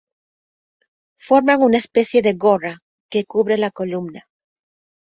Forman una especie de gorra que cubre la columna.